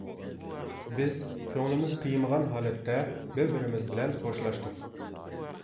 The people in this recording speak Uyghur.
بىز كۆڭلىمىز قىيمىغان ھالەتتە بىر-بىرىمىز بىلەن خوشلاشتۇق.